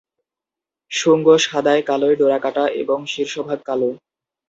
শুঙ্গ সাদায়-কালোয় ডোরাকাটা এবং শীর্ষভাগ কালো।